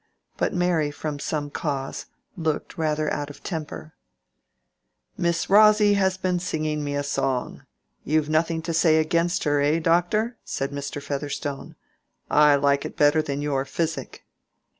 But Mary from some cause looked rather out of temper. "Miss Rosy has been singing me a song—you've nothing to say against that, eh, doctor?" said Mr. Featherstone. "I like it better than your physic."